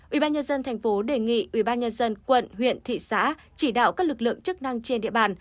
ủy ban nhà dân tp đề nghị ủy ban nhà dân quận huyện thị xã chỉ đạo các lực lượng chức năng trên địa bàn